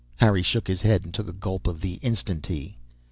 Harry shook his head and took a gulp of the Instantea.